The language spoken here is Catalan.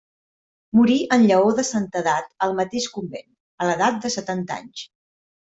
Morí en llaor de santedat al mateix convent, a l'edat de setanta anys.